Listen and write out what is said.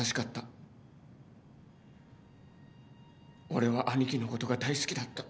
俺は兄貴のことが大好きだった。